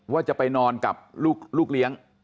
ว่าจะไปนอนกับลูกเลี้ยง